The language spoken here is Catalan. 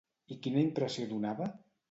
I quina impressió donava?